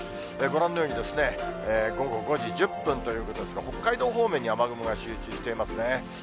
ご覧のように、午後５時１０分ということですが、北海道方面に雨雲が集中していますね。